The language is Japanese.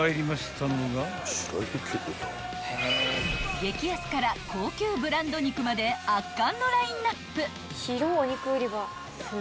［激安から高級ブランド肉まで圧巻のラインアップ］